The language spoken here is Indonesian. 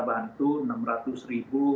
bantu enam ratus ribu